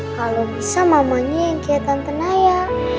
kalau bisa mamanya yang kia tante naya